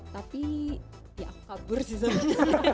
tapi ya aku gak tahu